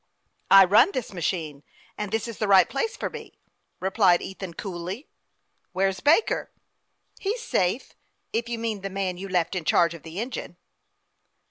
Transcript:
" I run this machine, and this is the right place for me," replied Ethan, coolly. " Where's Baker ?"" He's safe ; if you mean the man you left in charge of the engine."